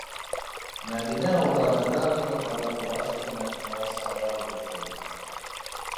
Мәҙинә уға кокардалы ҡара фуражка менән һыңар сандали һуҙҙы.